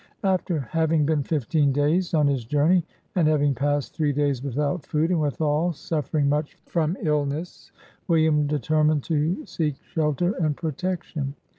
After having been fifteen days on his journey, and having passed three days without food, and, withal, suffering much from illness, William determined to seek shelter and protection.